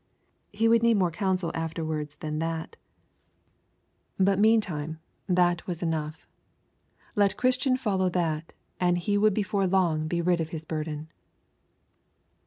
He would need more counsel afterwards than that; but, meantime, that was enough. Let Christian follow that, and he would before long be rid of his burden.